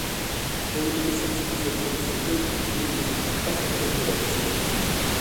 Hawley s'excuse auprès de ses coéquipiers et ne fait pas appel de la décision.